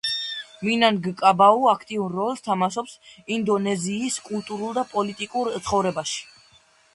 მინანგკაბაუ აქტიურ როლს თამაშობს ინდონეზიის კულტურულ და პოლიტიკურ ცხოვრებაში.